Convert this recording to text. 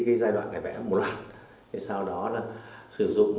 cái giai đoạn này vẽ một loạt để sau đó là sử dụng